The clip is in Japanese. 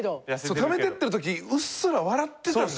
貯めてってるときうっすら笑ってたんだよ。